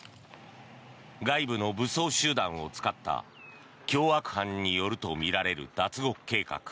外部の武装集団を使った凶悪犯によるとみられる脱獄計画。